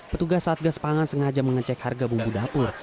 petugas satgas pangan sengaja mengecek harga bumbu dapur